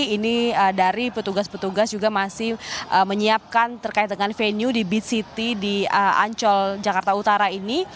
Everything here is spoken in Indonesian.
ini dari petugas petugas juga masih menyiapkan terkait dengan venue di beat city di ancol jakarta utara ini